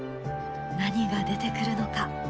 何が出てくるのか？